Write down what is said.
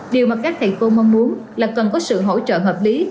điều mà các thầy cô mong muốn là cần có sự hỗ trợ hợp lý